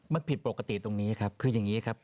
มันผิดปกติตรงนี้ครับคืออย่างนี้ครับ